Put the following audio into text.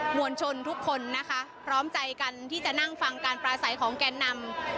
วลชนทุกคนนะคะพร้อมใจกันที่จะนั่งฟังการปลาใสของแกนนำ